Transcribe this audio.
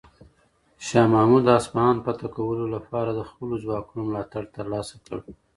شاه محمود د اصفهان فتح کولو لپاره د خپلو ځواکونو ملاتړ ترلاسه کړ.